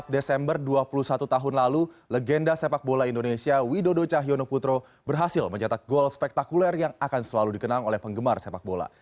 empat desember dua puluh satu tahun lalu legenda sepak bola indonesia widodo cahyono putro berhasil mencetak gol spektakuler yang akan selalu dikenang oleh penggemar sepak bola